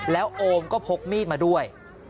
แล้วโอมก็พกมีดมาด้วย